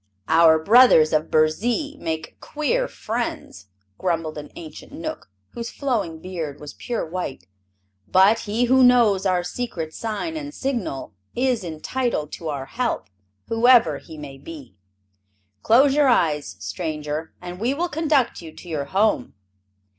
"Our brothers of Burzee make queer friends," grumbled an ancient Knook whose flowing beard was pure white. "But he who knows our secret sign and signal is entitled to our help, whoever he may be. Close your eyes, stranger, and we will conduct you to your home.